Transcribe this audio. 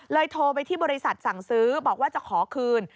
โทรไปที่บริษัทสั่งซื้อบอกว่าจะขอคืน